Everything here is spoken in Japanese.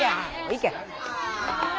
いけ。